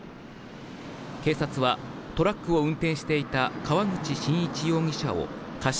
警察は、トラックを運転していた河口新一容疑者を過失